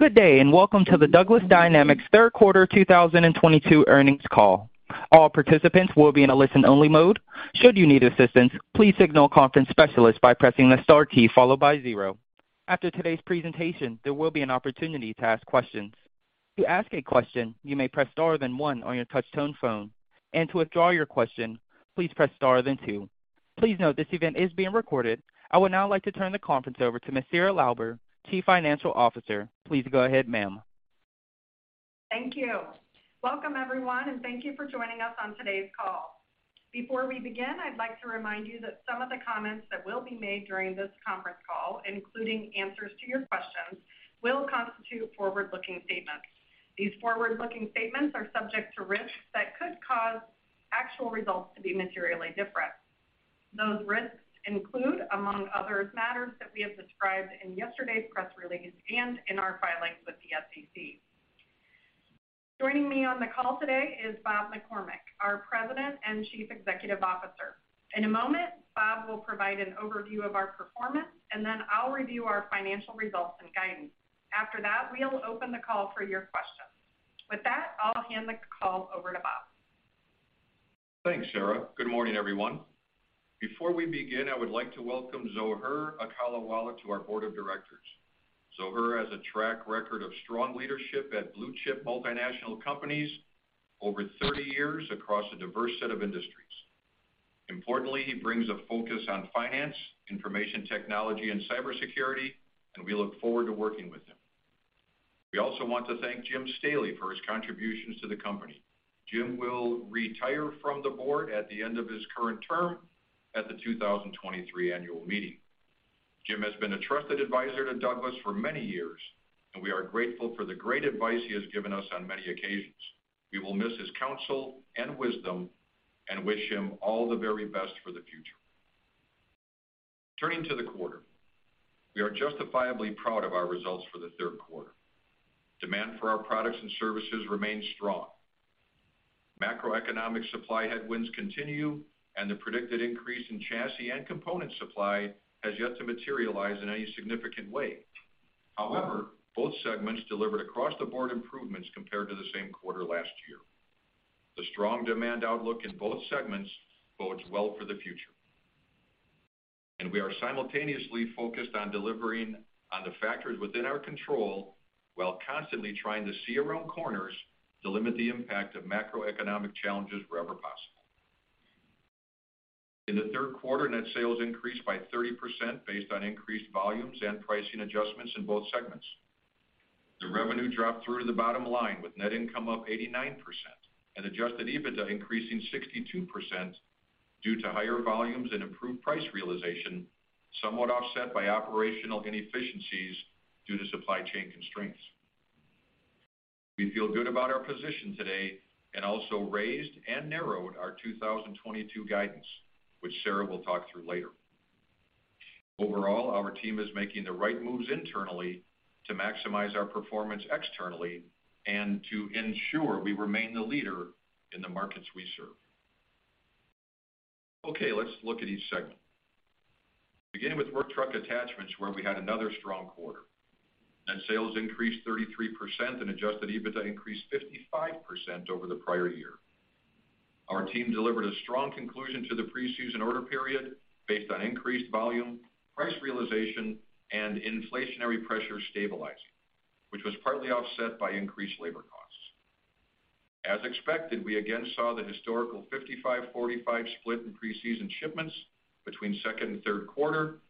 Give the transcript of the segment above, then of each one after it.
Good day, and welcome to the Douglas Dynamics third quarter 2022 earnings call. All participants will be in a listen-only mode. Should you need assistance, please signal a conference specialist by pressing the star key followed by zero. After today's presentation, there will be an opportunity to ask questions. To ask a question, you may press star then one on your touch-tone phone. To withdraw your question, please press star then two. Please note this event is being recorded. I would now like to turn the conference over to Ms. Sarah Lauber, Chief Financial Officer. Please go ahead, ma'am. Thank you. Welcome, everyone, and thank you for joining us on today's call. Before we begin, I'd like to remind you that some of the comments that will be made during this conference call, including answers to your questions, will constitute forward-looking statements. These forward-looking statements are subject to risks that could cause actual results to be materially different. Those risks include, among others, matters that we have described in yesterday's press release and in our filings with the SEC. Joining me on the call today is Bob McCormick, our President and Chief Executive Officer. In a moment, Bob will provide an overview of our performance, and then I'll review our financial results and guidance. After that, we'll open the call for your questions. With that, I'll hand the call over to Bob. Thanks, Sarah. Good morning, everyone. Before we begin, I would like to welcome Joher Akolawala to our board of directors. Joher has a track record of strong leadership at blue-chip multinational companies over 30 years across a diverse set of industries. Importantly, he brings a focus on finance, information technology, and cybersecurity, and we look forward to working with him. We also want to thank James Staley for his contributions to the company. James will retire from the board at the end of his current term at the 2023 annual meeting. James has been a trusted advisor to Douglas for many years, and we are grateful for the great advice he has given us on many occasions. We will miss his counsel and wisdom and wish him all the very best for the future. Turning to the quarter. We are justifiably proud of our results for the third quarter. Demand for our products and services remains strong. Macroeconomic supply headwinds continue, and the predicted increase in chassis and component supply has yet to materialize in any significant way. However, both segments delivered across the board improvements compared to the same quarter last year. The strong demand outlook in both segments bodes well for the future. We are simultaneously focused on delivering on the factors within our control while constantly trying to see around corners to limit the impact of macroeconomic challenges wherever possible. In the third quarter, net sales increased by 30% based on increased volumes and pricing adjustments in both segments. The revenue dropped through to the bottom line with net income up 89% and adjusted EBITDA increasing 62% due to higher volumes and improved price realization, somewhat offset by operational inefficiencies due to supply chain constraints. We feel good about our position today and also raised and narrowed our 2022 guidance, which Sarah will talk through later. Overall, our team is making the right moves internally to maximize our performance externally and to ensure we remain the leader in the markets we serve. Okay, let's look at each segment. Beginning with Work Truck Attachments, where we had another strong quarter. Net sales increased 33% and adjusted EBITDA increased 55% over the prior year. Our team delivered a strong conclusion to the pre-season order period based on increased volume, price realization, and inflationary pressure stabilizing, which was partly offset by increased labor costs. As expected, we again saw the historical 55/45 split in pre-season shipments between second and third quarter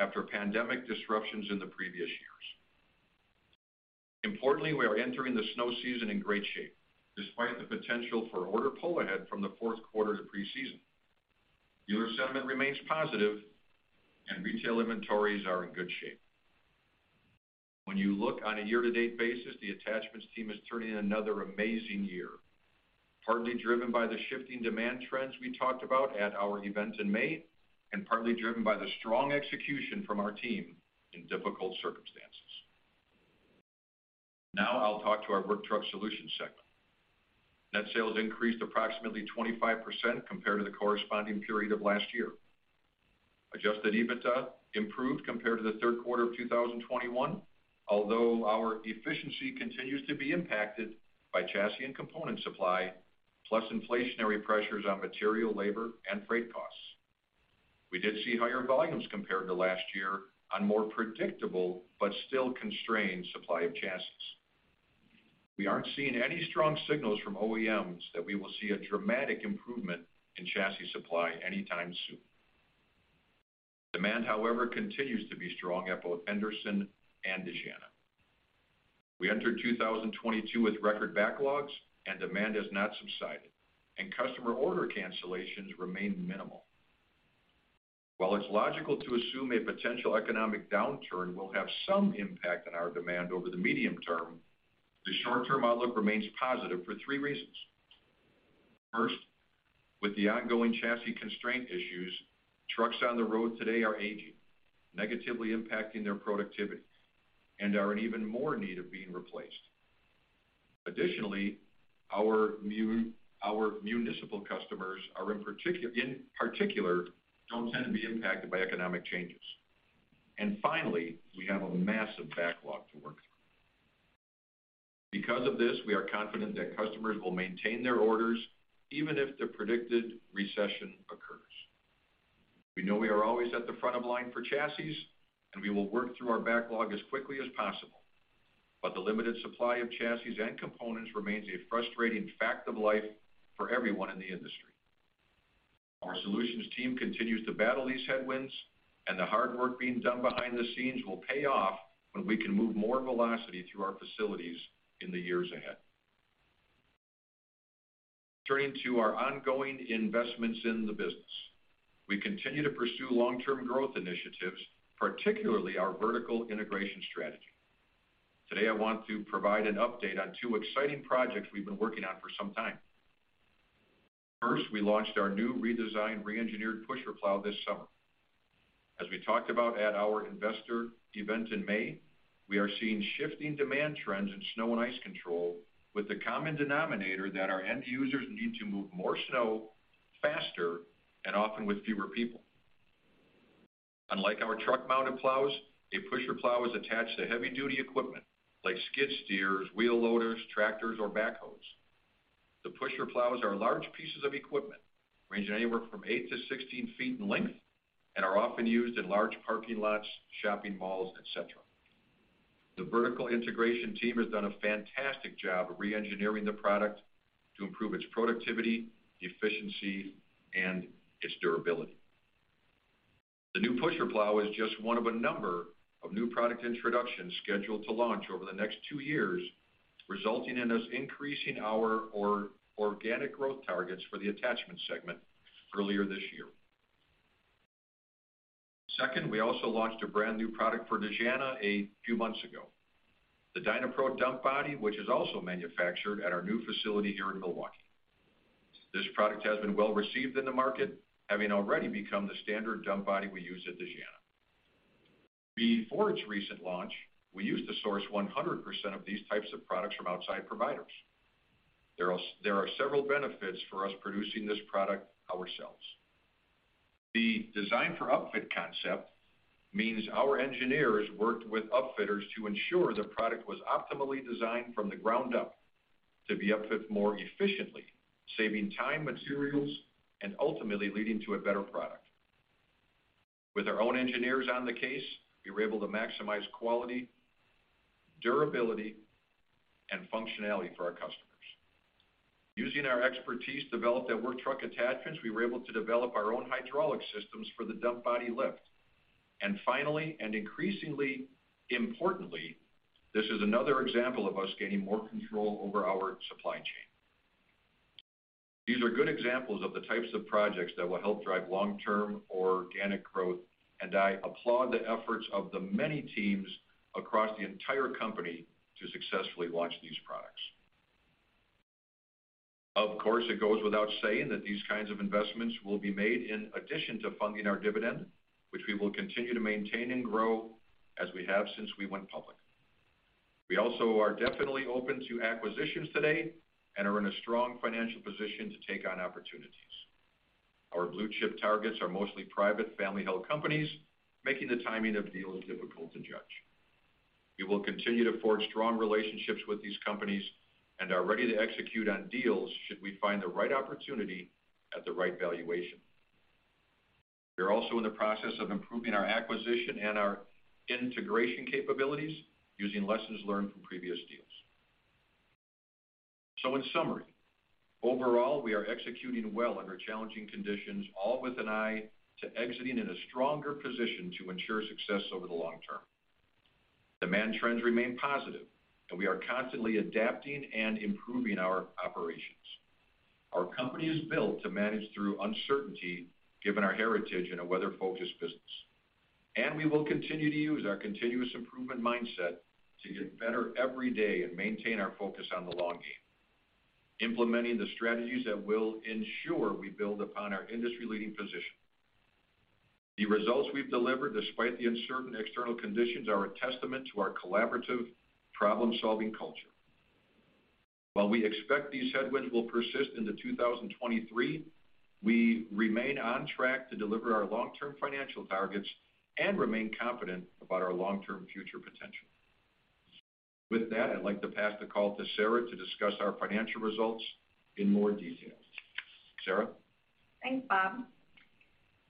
after pandemic disruptions in the previous years. Importantly, we are entering the snow season in great shape, despite the potential for order pull ahead from the fourth quarter to pre-season. Dealer sentiment remains positive and retail inventories are in good shape. When you look on a year-to-date basis, the attachments team is turning another amazing year, partly driven by the shifting demand trends we talked about at our event in May, and partly driven by the strong execution from our team in difficult circumstances. Now I'll talk to our Work Truck Solutions segment. Net sales increased approximately 25% compared to the corresponding period of last year. Adjusted EBITDA improved compared to the third quarter of 2021, although our efficiency continues to be impacted by chassis and component supply, plus inflationary pressures on material, labor, and freight costs. We did see higher volumes compared to last year on more predictable but still constrained supply of chassis. We aren't seeing any strong signals from OEMs that we will see a dramatic improvement in chassis supply anytime soon. Demand, however, continues to be strong at both Henderson and Dejana. We entered 2022 with record backlogs and demand has not subsided, and customer order cancellations remain minimal. While it's logical to assume a potential economic downturn will have some impact on our demand over the medium term, the short-term outlook remains positive for three reasons. First, with the ongoing chassis constraint issues, trucks on the road today are aging, negatively impacting their productivity and are in even more need of being replaced. Additionally, our municipal customers are, in particular, don't tend to be impacted by economic changes. Finally, we have a massive backlog to work through. Because of this, we are confident that customers will maintain their orders even if the predicted recession occurs. We know we are always at the front of line for chassis, and we will work through our backlog as quickly as possible. The limited supply of chassis and components remains a frustrating fact of life for everyone in the industry. Our Solutions team continues to battle these headwinds, and the hard work being done behind the scenes will pay off when we can move more velocity through our facilities in the years ahead. Turning to our ongoing investments in the business. We continue to pursue long-term growth initiatives, particularly our vertical integration strategy. Today, I want to provide an update on two exciting projects we've been working on for some time. First, we launched our new redesigned, re-engineered pusher plow this summer. As we talked about at our investor event in May, we are seeing shifting demand trends in snow and ice control with the common denominator that our end users need to move more snow faster and often with fewer people. Unlike our truck-mounted plows, a pusher plow is attached to heavy-duty equipment like skid steers, wheel loaders, tractors or backhoes. The pusher plows are large pieces of equipment ranging anywhere from eight-16 feet in length and are often used in large parking lots, shopping malls, et cetera. The vertical integration team has done a fantastic job of re-engineering the product to improve its productivity, efficiency, and its durability. The new pusher plow is just one of a number of new product introductions scheduled to launch over the next two years, resulting in us increasing our organic growth targets for the attachment segment earlier this year. Second, we also launched a brand new product for Dejana a few months ago. The DynaPro dump body, which is also manufactured at our new facility here in Milwaukee. This product has been well received in the market, having already become the standard dump body we use at Dejana. Before its recent launch, we used to source 100% of these types of products from outside providers. There are several benefits for us producing this product ourselves. The design for upfit concept means our engineers worked with upfitters to ensure the product was optimally designed from the ground up to be upfit more efficiently, saving time, materials, and ultimately leading to a better product. With our own engineers on the case, we were able to maximize quality, durability, and functionality for our customers. Using our expertise developed at Work Truck Attachments, we were able to develop our own hydraulic systems for the dump body lift. Finally, and increasingly importantly, this is another example of us gaining more control over our supply chain. These are good examples of the types of projects that will help drive long-term organic growth, and I applaud the efforts of the many teams across the entire company to successfully launch these products. Of course, it goes without saying that these kinds of investments will be made in addition to funding our dividend, which we will continue to maintain and grow as we have since we went public. We also are definitely open to acquisitions today and are in a strong financial position to take on opportunities. Our blue-chip targets are mostly private family-held companies, making the timing of deals difficult to judge. We will continue to forge strong relationships with these companies and are ready to execute on deals should we find the right opportunity at the right valuation. We're also in the process of improving our acquisition and our integration capabilities using lessons learned from previous deals. In summary, overall, we are executing well under challenging conditions, all with an eye to exiting in a stronger position to ensure success over the long-term. Demand trends remain positive, and we are constantly adapting and improving our operations. Our company is built to manage through uncertainty given our heritage in a weather-focused business. We will continue to use our continuous improvement mindset to get better every day and maintain our focus on the long game, implementing the strategies that will ensure we build upon our industry-leading position. The results we've delivered despite the uncertain external conditions are a testament to our collaborative problem-solving culture. While we expect these headwinds will persist into 2023, we remain on track to deliver our long-term financial targets and remain confident about our long-term future potential. With that, I'd like to pass the call to Sarah to discuss our financial results in more detail. Sarah? Thanks, Bob.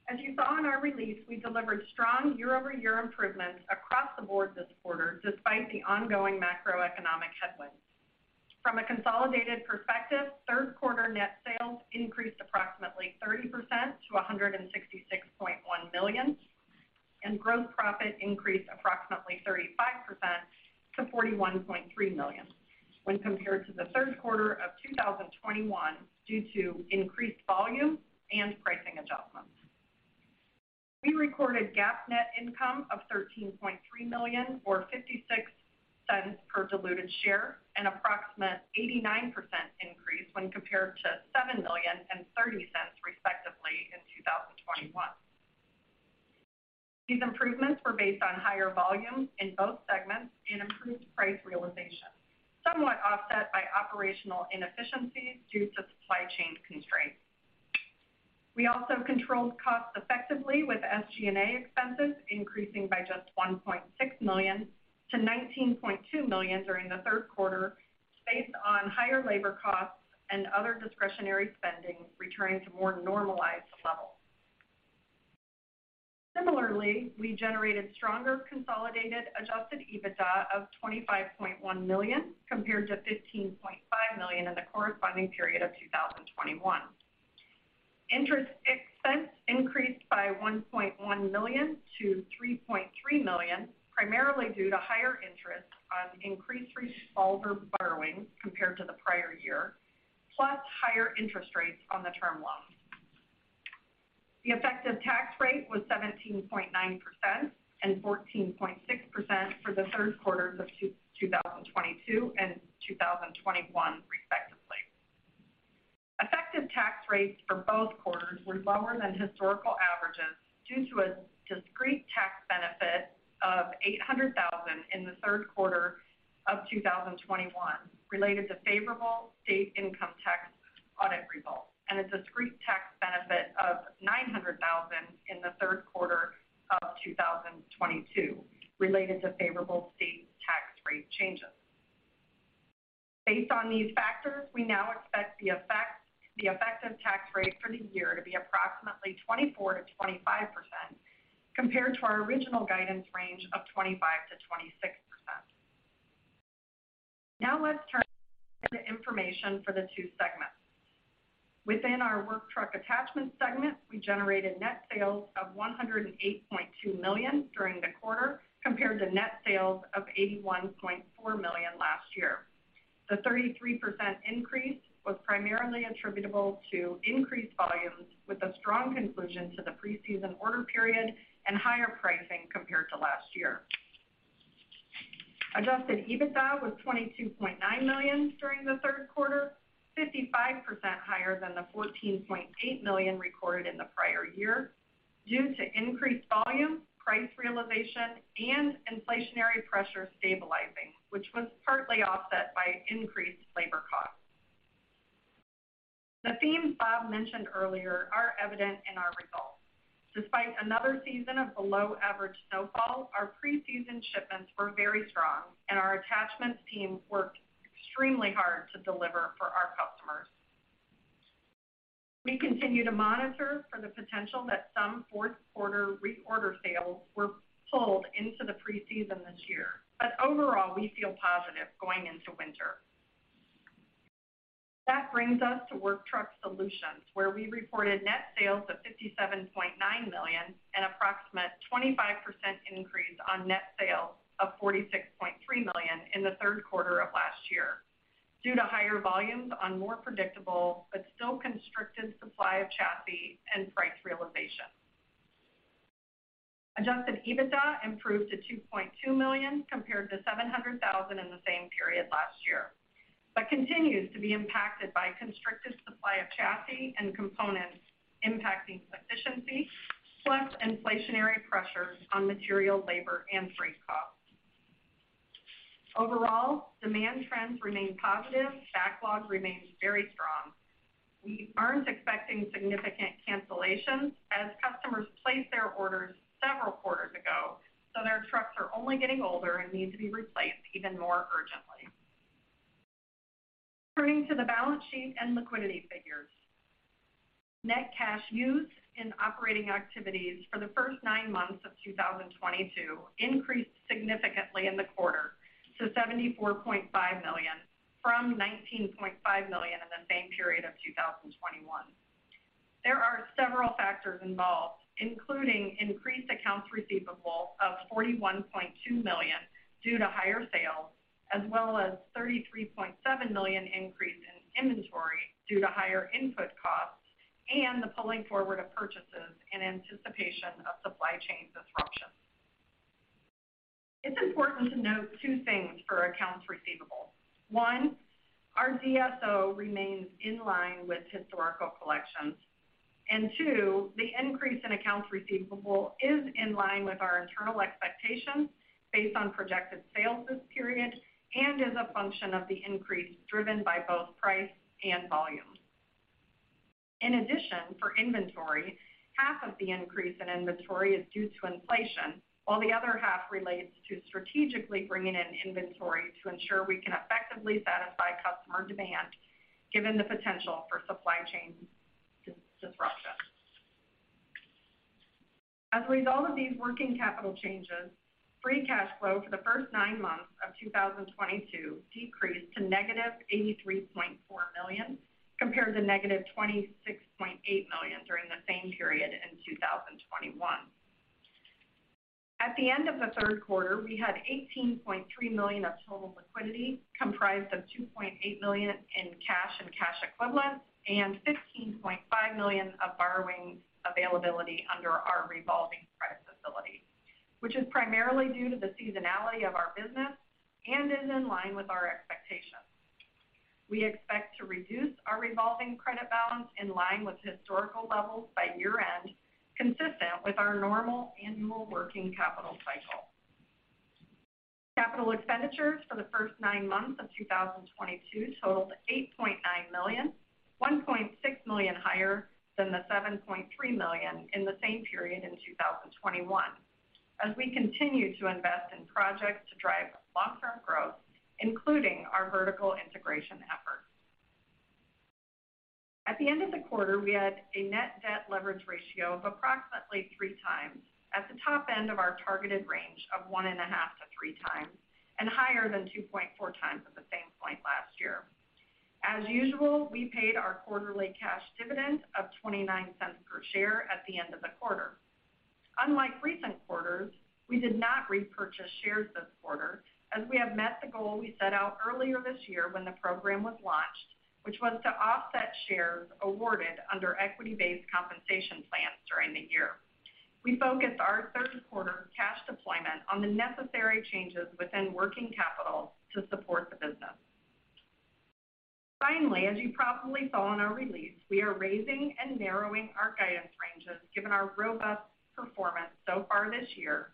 As you saw in our release, we delivered strong year-over-year improvements across the board this quarter despite the ongoing macroeconomic headwinds. From a consolidated perspective, third quarter net sales increased approximately 30% to $166.1 billion, and gross profit increased approximately 35% to $41.3 million when compared to the third quarter of 2021 due to increased volume and pricing adjustments. We recorded GAAP net income of $13.3 million or $0.56 per diluted share, an approximate 89% increase when compared to $7 million and $0.30 respectively in 2021. These improvements were based on higher volumes in both segments and improved price realization, somewhat offset by operational inefficiencies due to supply chain constraints. We also controlled costs effectively with SG&A expenses increasing by just $1.6 million to $19.2 million during the third quarter based on higher labor costs and other discretionary spending returning to more normalized levels. Similarly, we generated stronger consolidated adjusted EBITDA of $25.1 million compared to $15.5 million in the corresponding period of 2021. Interest expense increased by $1.1 million to $3.3 million, primarily due to higher interest on increased revolver borrowing compared to the prior year, plus higher interest rates on the term loan. The effective tax rate was 17.9% and 14.6% for the third quarters of 2022 and 2021, respectively. Effective tax rates for both quarters were lower than historical averages due to a discrete tax benefit of $800,000 in the third quarter of 2021 related to favorable state income tax audit results, and a discrete tax benefit of $900,000 in the third quarter of 2022 related to favorable state tax rate changes. Based on these factors, we now expect the effective tax rate for the year to be approximately 24%-25% compared to our original guidance range of 25%-26%. Now let's turn to information for the two segments. Within our Work Truck Attachments segment, we generated net sales of $108.2 million during the quarter, compared to net sales of $81.4 million last year. The 33% increase was primarily attributable to increased volumes with a strong conclusion to the pre-season order period and higher pricing compared to last year. Adjusted EBITDA was $22.9 million during the third quarter, 55% higher than the $14.8 million recorded in the prior year, due to increased volume, price realization and inflationary pressure stabilizing, which was partly offset by increased labor costs. The themes Bob mentioned earlier are evident in our results. Despite another season of below average snowfall, our pre-season shipments were very strong and our attachments team worked extremely hard to deliver for our customers. We continue to monitor for the potential that some fourth quarter reorder sales were pulled into the pre-season this year. Overall, we feel positive going into winter. That brings us to Work Truck Solutions, where we reported net sales of $57.9 million, an approximate 25% increase on net sales of $46.3 million in the third quarter of last year due to higher volumes on more predictable but still constricted supply of chassis and price realization. Adjusted EBITDA improved to $2.2 million compared to $700,000 in the same period last year, but continues to be impacted by constricted supply of chassis and components impacting efficiency, plus inflationary pressures on material, labor, and freight costs. Overall, demand trends remain positive. Backlog remains very strong. We aren't expecting significant cancellations as customers placed their orders several quarters ago, so their trucks are only getting older and need to be replaced even more urgently. Turning to the balance sheet and liquidity figures. Net cash used in operating activities for the first nine months of 2022 increased significantly in the quarter to $74.5 million from $19.5 million in the same period of 2021. There are several factors involved, including increased accounts receivable of $41.2 million due to higher sales, as well as $33.7 million increase in inventory due to higher input costs and the pulling forward of purchases in anticipation of supply chain disruption. It's important to note two things for accounts receivable. One, our DSO remains in line with historical collections. Two, the increase in accounts receivable is in line with our internal expectations based on projected sales this period and is a function of the increase driven by both price and volume. In addition, for inventory, half of the increase in inventory is due to inflation, while the other half relates to strategically bringing in inventory to ensure we can effectively satisfy customer demand given the potential for supply chain disruption. As a result of these working capital changes, free cash flow for the first nine months of 2022 decreased to negative $83.4 million, compared to negative $26.8 million during the same period in 2021. At the end of the third quarter, we had $18.3 million of total liquidity, comprised of $2.8 million in cash and cash equivalents, and $15.5 million of borrowing availability under our revolving credit facility. Which is primarily due to the seasonality of our business and is in line with our expectations. We expect to reduce our revolving credit balance in line with historical levels by year-end, consistent with our normal annual working capital cycle. Capital expenditures for the first nine months of 2022 totaled $8.9 million, $1.6 million higher than the $7.3 million in the same period in 2021 as we continue to invest in projects to drive long-term growth, including our vertical integration efforts. At the end of the quarter, we had a net debt leverage ratio of approximately 3x at the top end of our targeted range of 1.5x-3x, and higher than 2.4x at the same point last year. As usual, we paid our quarterly cash dividend of $0.29 per share at the end of the quarter. Unlike recent quarters, we did not repurchase shares this quarter as we have met the goal we set out earlier this year when the program was launched, which was to offset shares awarded under equity-based compensation plans during the year. We focused our third quarter cash deployment on the necessary changes within working capital to support the business. Finally, as you probably saw in our release, we are raising and narrowing our guidance ranges given our robust performance so far this year,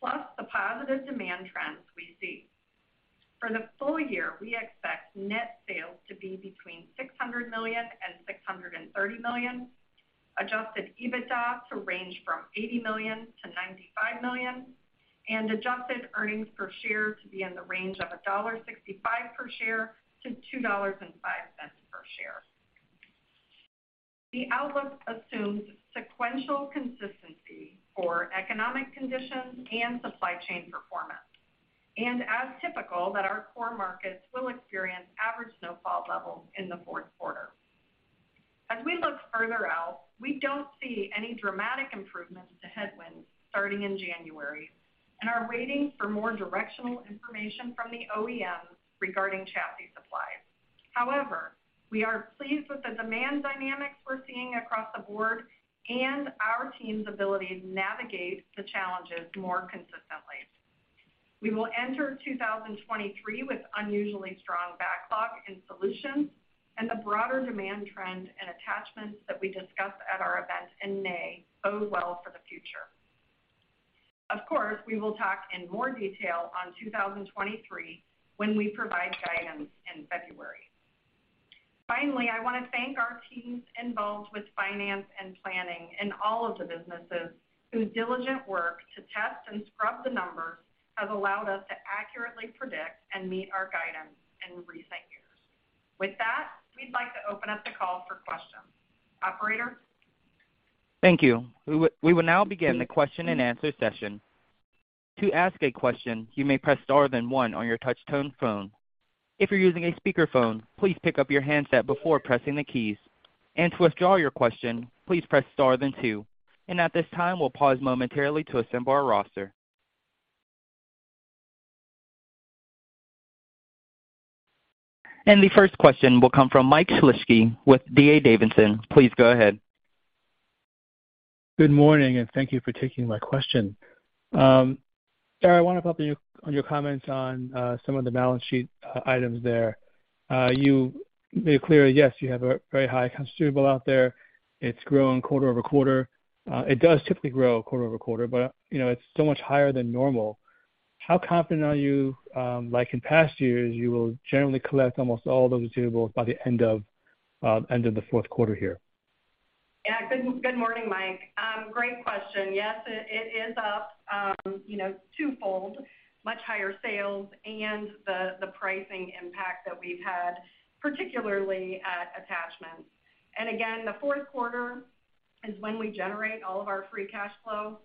plus the positive demand trends we see. For the full year, we expect net sales to be between $600 million and $630 million, adjusted EBITDA to range from $80 million-$95 million, and adjusted earnings per share to be in the range of $1.65-$2.05 per share. The outlook assumes sequential consistency for economic conditions and supply chain performance, and as typical, that our core markets will experience average snowfall levels in the fourth quarter. As we look further out, we don't see any dramatic improvements to headwinds starting in January and are waiting for more directional information from the OEMs regarding chassis supply. However, we are pleased with the demand dynamics we're seeing across the board and our team's ability to navigate the challenges more consistently. We will enter 2023 with unusually strong backlog in solutions and the broader demand trend and attachments that we discussed at our event in May bode well for the future. Of course, we will talk in more detail on 2023 when we provide guidance in February. Finally, I wanna thank our teams involved with finance and planning in all of the businesses whose diligent work to test and scrub the numbers have allowed us to accurately predict and meet our guidance in recent years. With that, we'd like to open up the call for questions. Operator? Thank you. We will now begin the question-and-answer session. To ask a question, you may press star then one on your touch tone phone. If you're using a speakerphone, please pick up your handset before pressing the keys. To withdraw your question, please press star then two. At this time, we'll pause momentarily to assemble our roster. The first question will come from Mike Shlisky with D.A. Davidson. Please go ahead. Good morning, and thank you for taking my question. Sarah, I wanna follow up on your comments on some of the balance sheet items there. You made it clear, yes, you have a very high receivable out there. It's growing quarter-over-quarter. It does typically grow quarter-over-quarter, but you know, it's so much higher than normal. How confident are you, like in past years, you will generally collect almost all those receivables by the end of the fourth quarter here? Yeah. Good morning, Mike. Great question. Yes, it is up, you know, twofold, much higher sales and the pricing impact that we've had, particularly at attachments. And again, the fourth quarter is when we generate all of our free cash flow.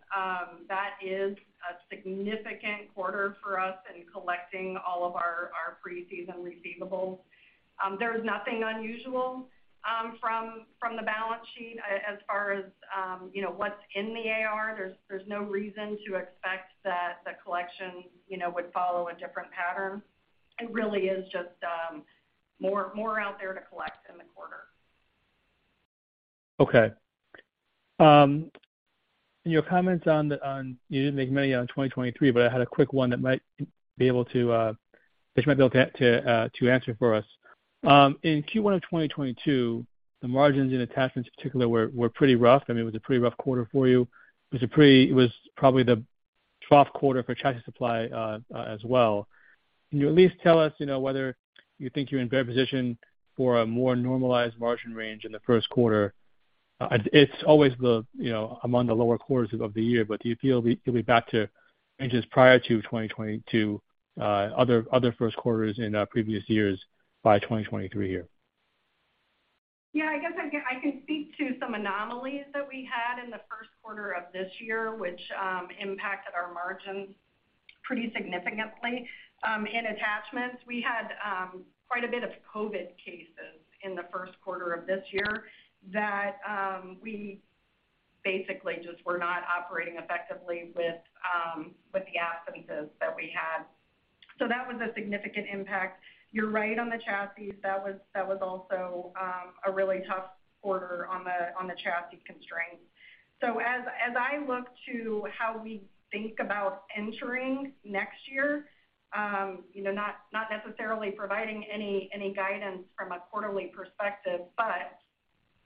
That is a significant quarter for us in collecting all of our pre-season receivables. There's nothing unusual from the balance sheet. As far as, you know, what's in the AR, there's no reason to expect that the collection, you know, would follow a different pattern. It really is just more out there to collect in the quarter. Okay. In your comments, you didn't make many on 2023, but I had a quick one that you might be able to answer for us. In Q1 of 2022, the margins in attachments, in particular, were pretty rough. I mean, it was a pretty rough quarter for you. It was probably the trough quarter for chassis supply as well. Can you at least tell us, you know, whether you think you're in better position for a more normalized margin range in the first quarter? It's always, you know, among the lower quarters of the year, but do you feel you'll be back to ranges prior to 2022, other first quarters in previous years by 2023 year? Yeah. I guess I can speak to some anomalies that we had in the first quarter of this year, which impacted our margins pretty significantly. In attachments, we had quite a bit of COVID cases in the first quarter of this year that we basically just were not operating effectively with the absences that we had. That was a significant impact. You're right on the chassis. That was also a really tough quarter on the chassis constraints. As I look to how we think about entering next year, you know, not necessarily providing any guidance from a quarterly perspective, but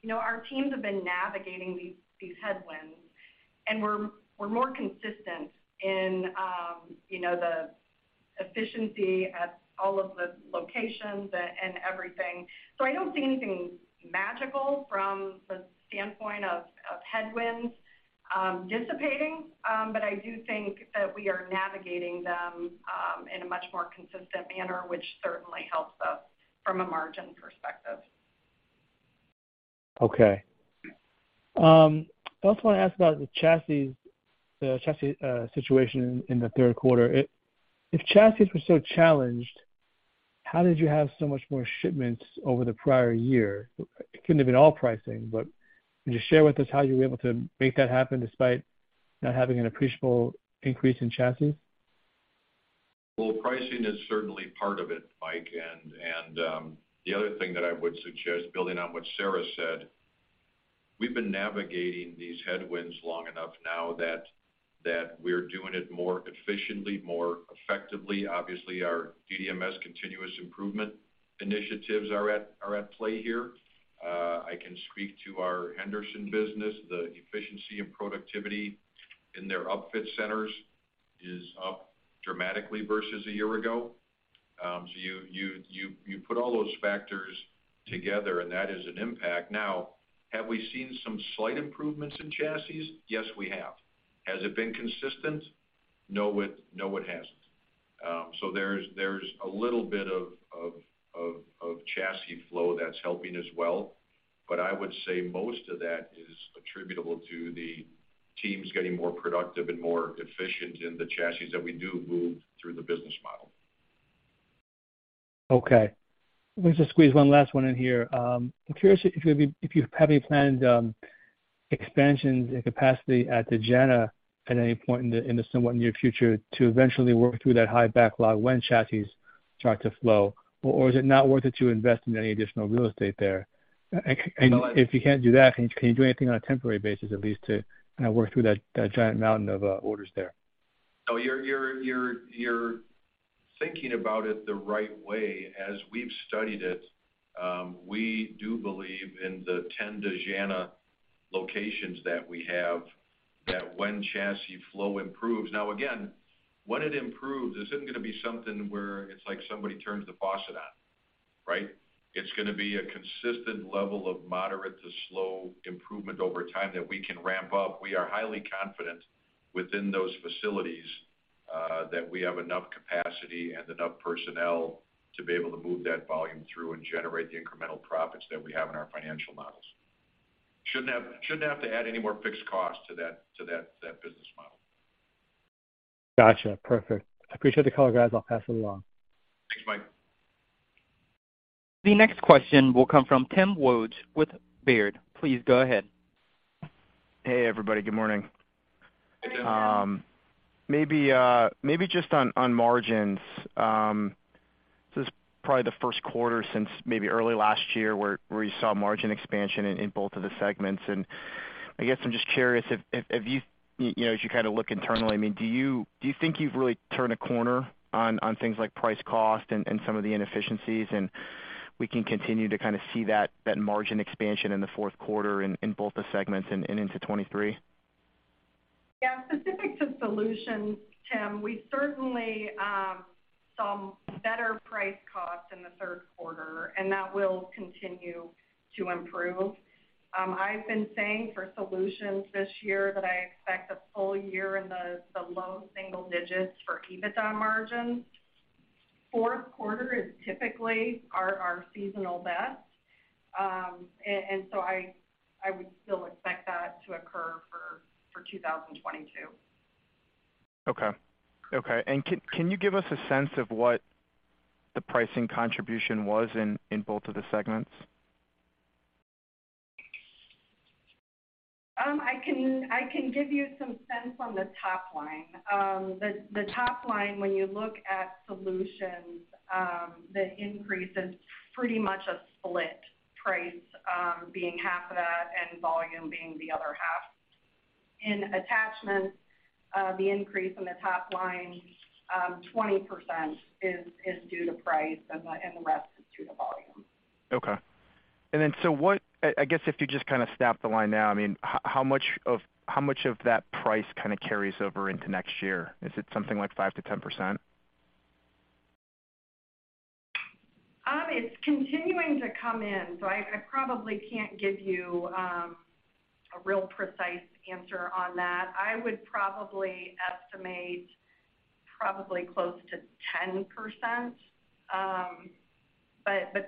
you know, our teams have been navigating these headwinds, and we're more consistent in you know, the efficiency at all of the locations and everything. I don't see anything magical from the standpoint of headwinds dissipating. I do think that we are navigating them in a much more consistent manner, which certainly helps us from a margin perspective. Okay. I also wanna ask about the chassis situation in the third quarter. If chassis were so challenged, how did you have so much more shipments over the prior year? It couldn't have been all pricing, but can you share with us how you were able to make that happen despite not having an appreciable increase in chassis? Well, pricing is certainly part of it, Mike. The other thing that I would suggest, building on what Sarah said, we've been navigating these headwinds long enough now that we're doing it more efficiently, more effectively. Obviously, our DDMS continuous improvement initiatives are at play here. I can speak to our Henderson business. The efficiency and productivity in their upfit centers is up dramatically versus a year ago. You put all those factors together, and that is an impact. Now, have we seen some slight improvements in chassis? Yes, we have. Has it been consistent? No, it hasn't. There's a little bit of chassis flow that's helping as well. I would say most of that is attributable to the teams getting more productive and more efficient in the chassis that we do move through the business model. Okay. Let me just squeeze one last one in here. I'm curious if you have any planned expansions in capacity at Dejana at any point in the somewhat near future to eventually work through that high backlog when chassis start to flow, or is it not worth it to invest in any additional real estate there? And if you can't do that, can you do anything on a temporary basis at least to kind of work through that giant mountain of orders there? No, you're thinking about it the right way. As we've studied it, we do believe in the 10 Dejana locations that we have, that when chassis flow improves. Now again, when it improves, this isn't gonna be something where it's like somebody turns the faucet on, right? It's gonna be a consistent level of moderate to slow improvement over time that we can ramp up. We are highly confident within those facilities, that we have enough capacity and enough personnel to be able to move that volume through and generate the incremental profits that we have in our financial models. Shouldn't have to add any more fixed costs to that business model. Gotcha. Perfect. I appreciate the call, guys. I'll pass it along. Thanks, Mike. The next question will come from Timothy Wojs with Baird. Please go ahead. Hey, everybody. Good morning. Good morning. Maybe just on margins. This is probably the first quarter since maybe early last year where you saw margin expansion in both of the segments. I guess I'm just curious if you know, as you kinda look internally, I mean, do you think you've really turned a corner on things like price cost and some of the inefficiencies, and we can continue to kinda see that margin expansion in the fourth quarter in both the segments and into 2023? Yeah. Specific to solutions, Tim, we certainly saw better price cost in the third quarter, and that will continue to improve. I've been saying for solutions this year that I expect a full year in the low single digits for EBITDA margins. Fourth quarter is typically our seasonal best. I would still expect that to occur for 2022. Okay. Can you give us a sense of what the pricing contribution was in both of the segments? I can give you some sense on the top line. The top line when you look at solutions, the increase is pretty much a split price, being half of that and volume being the other half. In attachments, the increase in the top line, 20% is due to price and the rest is due to volume. Okay. I guess if you just kinda snap the line now, I mean, how much of that price kinda carries over into next year? Is it something like 5%-10%? It's continuing to come in, so I probably can't give you a real precise answer on that. I would probably estimate probably close to 10%.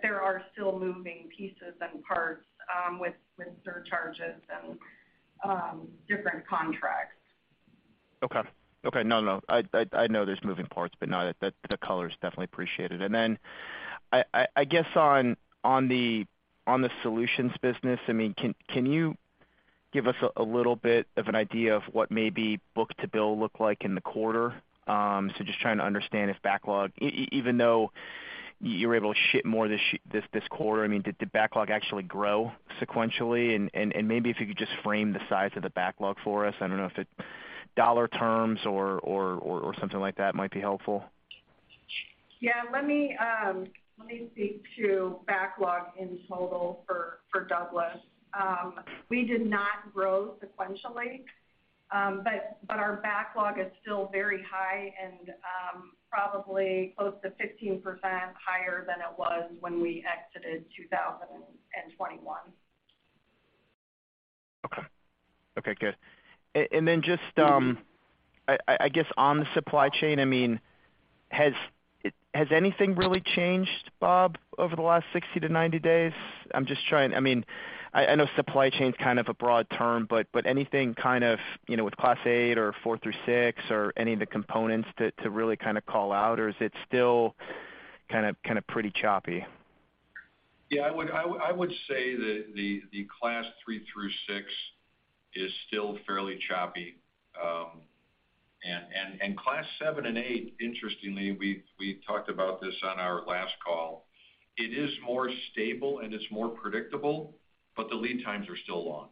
There are still moving pieces and parts with surcharges and different contracts. Okay. No, I know there's moving parts, but no, the color is definitely appreciated. I guess on the solutions business, I mean, can you give us a little bit of an idea of what maybe book-to-bill looked like in the quarter. So just trying to understand if backlog even though you were able to ship more this quarter, I mean, did the backlog actually grow sequentially? Maybe if you could just frame the size of the backlog for us. I don't know if dollar terms or something like that might be helpful. Yeah. Let me speak to backlog in total for Douglas. We did not grow sequentially, but our backlog is still very high and probably close to 15% higher than it was when we exited 2021. Okay. Okay, good. Just, I guess, on the supply chain, I mean, has anything really changed, Bob, over the last 60-90 days? I'm just trying, I mean, I know supply chain's kind of a broad term, but anything kind of, you know, with Class 8 or 4-6 or any of the components to really kind of call out? Or is it still kind of pretty choppy? I would say that the Class 3 through 6 is still fairly choppy. Class 7 and 8, interestingly, we talked about this on our last call. It is more stable and it's more predictable, but the lead times are still long.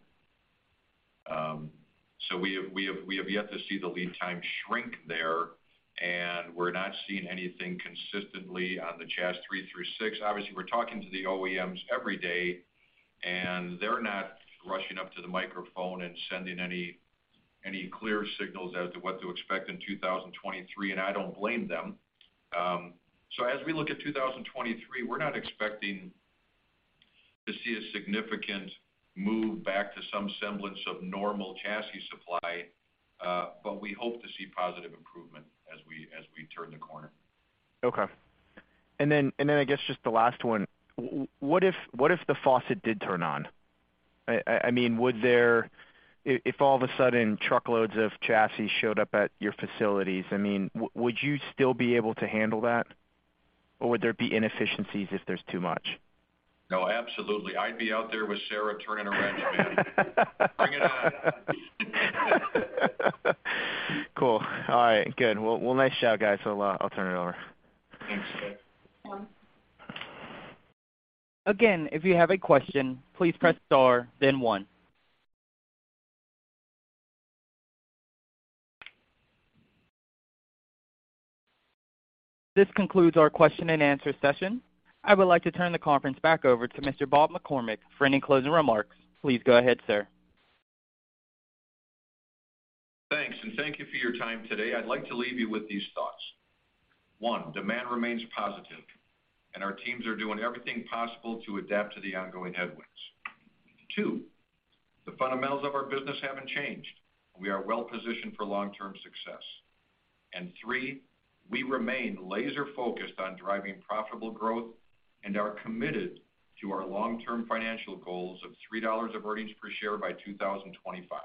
We have yet to see the lead time shrink there, and we're not seeing anything consistently on the Class 3 through 6. Obviously, we're talking to the OEMs every day, and they're not rushing up to the microphone and sending any clear signals as to what to expect in 2023, and I don't blame them. As we look at 2023, we're not expecting to see a significant move back to some semblance of normal chassis supply, but we hope to see positive improvement as we turn the corner. Okay. I guess just the last one. What if the faucet did turn on? I mean, if all of a sudden truckloads of chassis showed up at your facilities, I mean, would you still be able to handle that? Or would there be inefficiencies if there's too much? No, absolutely. I'd be out there with Sarah turning around the van. Bring it on. Cool. All right. Good. Well, nice job, guys. I'll turn it over. Thanks. Again, if you have a question, please press star then one. This concludes our question and answer session. I would like to turn the conference back over to Mr. Bob McCormick for any closing remarks. Please go ahead, sir. Thanks and thank you for your time today. I'd like to leave you with these thoughts. One, demand remains positive, and our teams are doing everything possible to adapt to the ongoing headwinds. Two, the fundamentals of our business haven't changed. We are well-positioned for long-term success. Three, we remain laser-focused on driving profitable growth and are committed to our long-term financial goals of $3 of earnings per share by 2025.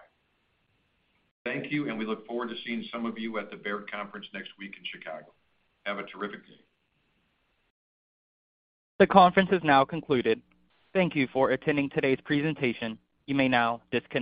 Thank you, and we look forward to seeing some of you at the Baird Conference next week in Chicago. Have a terrific day. The conference is now concluded. Thank you for attending today's presentation. You may now disconnect.